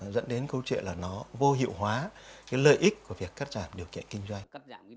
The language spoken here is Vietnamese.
dẫn đến câu chuyện là nó vô hiệu hóa cái lợi ích của việc cắt giảm điều kiện kinh doanh